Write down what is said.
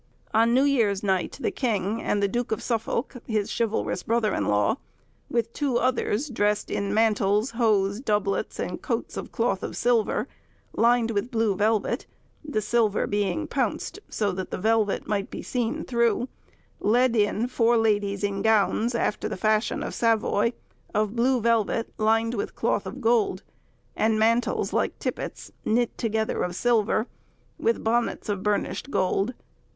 On New Year's Night the king and the Duke of Suffolk, his chivalrous brother in law, with two others, dressed in mantles, hose, doublets, and coats of cloth of silver, lined with blue velvet, the silver being pounsed, so that the velvet might be seen through, led in four ladies in gowns, after the fashion of Savoy, of blue velvet, lined with cloth of gold; and mantles like tippets, knit together of silver; with bonnets of burnished gold.